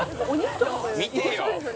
見てよ。